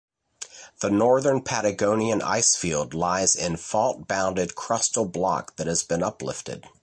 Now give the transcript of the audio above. The Northern Patagonian Ice Field lies in fault-bounded crustal block that has been uplifted.